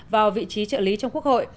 vào vị trí trợ lý trong quốc hội